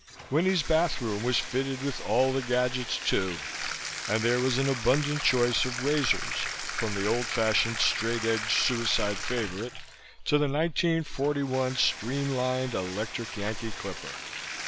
Winnie's bathroom was fitted with all the gadgets, too, and there was an abundant choice of razors, from the old fashioned straight edge suicide's favorite to the 1941 stream lined electric Yankee clipper.